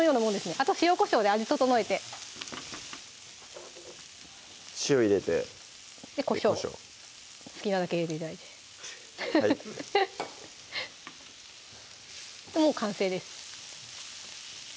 あとは塩・こしょうで味調えて塩入れてこしょう好きなだけ入れて頂いてはいもう完成です